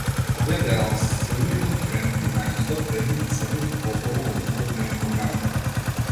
Овие дела се силни, кохерентни и најчесто темни, црни, повторно во духот на енформелот.